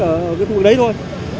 ở cái khu vực đấy thôi